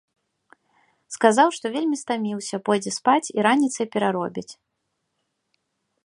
Сказаў, што вельмі стаміўся, пойдзе спаць і раніцай пераробіць.